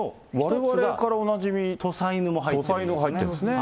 われわれからおなじみ、土佐犬、入ってますね。